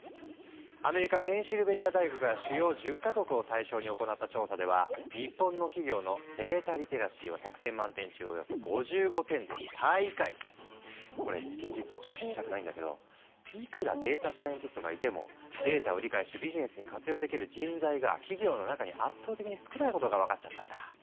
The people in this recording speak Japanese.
アメリカペンシルベニア大学が主要１０か国を対象に行った調査では日本の企業のデータリテラシーは１００点満点中およそ５５点でこれ現実を直視したくないんだけどいくらデータサイエンティストがいてもデータを理解しビジネスに活用できる人材が企業の中に圧倒的に少ないことが分かっちゃったんだ。